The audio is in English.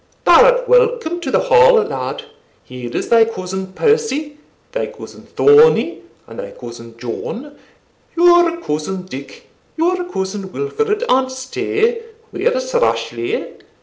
Thou art welcome to the Hall, lad here is thy cousin Percie, thy cousin Thornie, and thy cousin John your cousin Dick, your cousin Wilfred, and stay, where's Rashleigh?